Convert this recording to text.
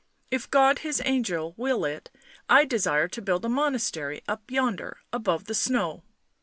If God His angel will it I desire to build a monastery up yonder — above the snow."